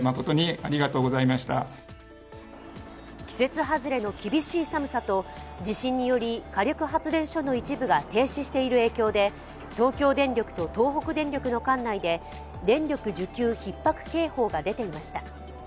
季節外れの厳しい寒さと地震により火力発電所の一部が停止している影響で東京電力と東北電力の管内で電力需給ひっ迫警報が出ていました。